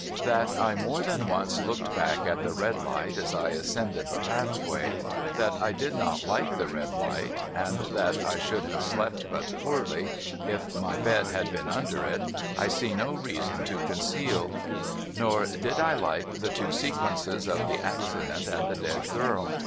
That I more than once looked hack at the red light as I ascended 2 H 466 MUGBY JUNCTION the pathway, that I did not like the red Hght, and that I should have slept but poorly if my bed had been under it, I see no reason to conceal. Nor did I like the two sequences of the accident and the dead girl.